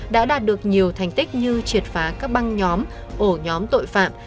đã đạt được nhiều thành tích như triệt phá các băng nhóm ổ nhóm tội phạm